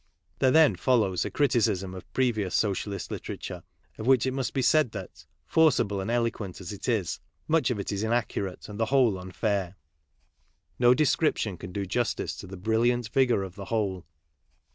There then follows a criticism of previous Socialist literature of which it must be said that, forcible and eloquent as it is, much of it is inaccurate and the whole unfair. No description can do justice to the brilliant vigour of the whole.